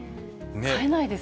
買えないです。